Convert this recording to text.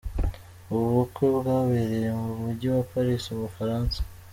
Ubu bukwe bwabereye mu Mujyi wa Paris mu Bufaransa.